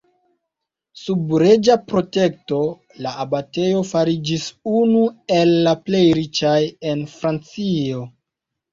Sub reĝa protekto, la abatejo fariĝis unu el la plej riĉaj en Francio.